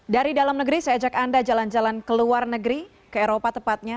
dari dalam negeri saya ajak anda jalan jalan ke luar negeri ke eropa tepatnya